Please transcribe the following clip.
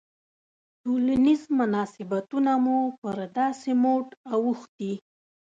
ټولنیز مناسبتونه مو پر داسې موډ اوښتي.